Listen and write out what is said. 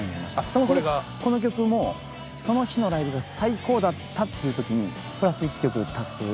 そもそもこの曲もその日のライブが最高だったっていう時にプラス１曲足す用の曲なんです。